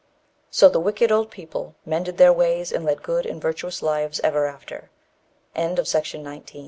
So the wicked old people mended their ways, and led good and virtuous lives ever after. THE BATTLE OF THE APE